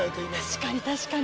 確かに確かに。